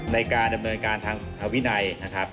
ในการดำเนินการทางกรรมวินัย